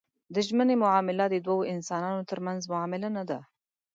د ژمنې معامله د دوو انسانانو ترمنځ معامله نه ده.